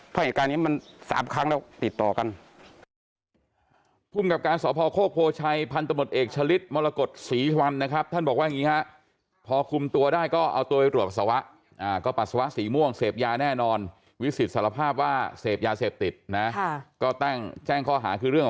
ถ้าเหตุการณ์นี้มัน๓ครั้งแล้วติดต่อกัน